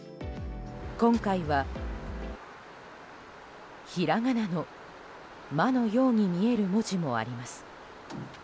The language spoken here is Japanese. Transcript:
今回はひらがなの「ま」のように見える文字もあります。